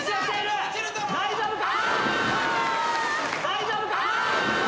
大丈夫か？